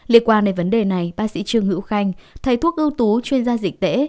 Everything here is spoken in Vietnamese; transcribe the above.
liên quan đến vấn đề này bác sĩ trương hữu khanh thầy thuốc ưu tú chuyên gia dịch tễ